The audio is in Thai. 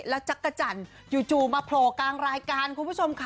แล้วจักรจันทร์จู่มาโผล่กลางรายการคุณผู้ชมค่ะ